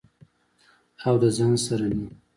او د ځان سره مې